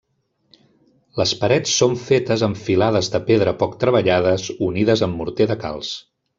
Les parets són fetes amb filades de pedra poc treballades unides amb morter de calç.